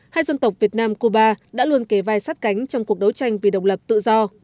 hai dân tộc việt nam cuba đã luôn kề vai sát cánh trong cuộc đấu tranh vì đồng lập tự do